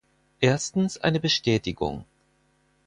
Erstens eine Bestätigung.